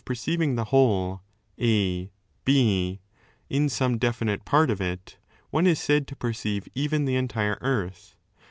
SIMULTANEITY 191 perceiving the whole A B in some definite part of it, one is said to perceive even the entire earth.